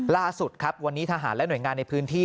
ล่าสุดครับวันนี้ทหารและหน่วยงานในพื้นที่